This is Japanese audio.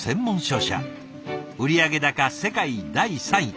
売上高世界第３位。